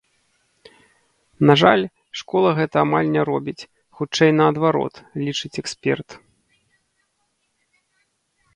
На жаль, школа гэта амаль не робіць, хутчэй, наадварот, лічыць эксперт.